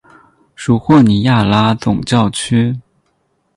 属霍尼亚拉总教区。